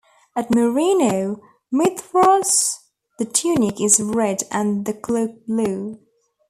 At Marino, Mithras' the tunic is red and the cloak blue.